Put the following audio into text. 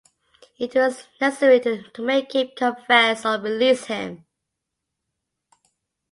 It was necessary to make him confess or release him.